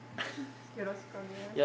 よろしくお願いします。